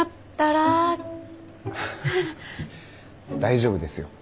ハハ大丈夫ですよ。